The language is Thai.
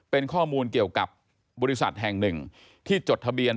เป็นข้อมูลเกี่ยวกับบริษัทแห่งหนึ่งที่จดทะเบียน